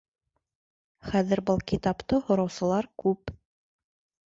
Хәҙер был китапты һораусылар күп